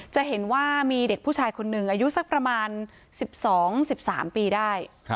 จะเห็นว่ามีเด็กผู้ชายคนหนึ่งอายุสักประมาณ๑๒๑๓ปีได้